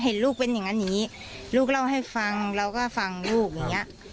เห็นลูกเป็นอย่างนั้นอย่างนี้ลูกเล่าให้ฟังเราก็ฟังลูกอย่างเงี้ย